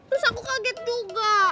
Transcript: terus aku kaget juga